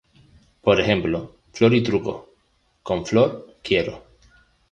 Por ejemplo, "flor y truco"; "con "flor", quiero".